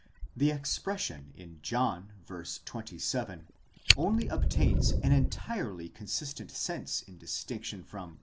The expression in John v. 27 only obtains an entirely consistent sense in distinction from v.